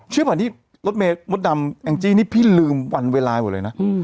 ก่อนที่รถเมย์มดดำแองจี้นี่พี่ลืมวันเวลาหมดเลยนะ